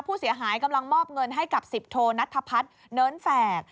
ผู้เสียหายกำลังมอบเงินให้กับสิบโทนัทพัฒน์เนินแฝก